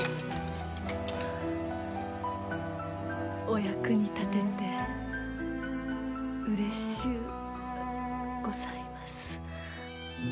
お役に立ててうれしゅうございます。